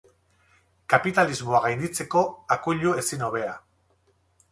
Kapitalismoa gainditzeko akuilu ezin hobea.